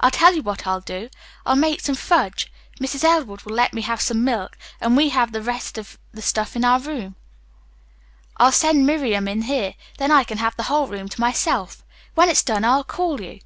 I'll tell you what I'll do. I'll make some fudge. Mrs. Elwood will let me have some milk and we have the rest of the stuff in our room. I'll send Miriam in here. Then I can have the whole room to myself. When it's done, I'll call you."